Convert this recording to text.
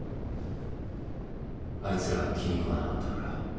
あいつらが気に食わなかったから。